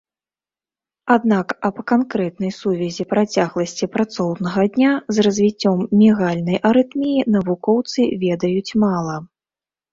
Аднак аб канкрэтнай сувязі працягласці працоўнага дня з развіццём мігальнай арытміі навукоўцы ведаюць мала.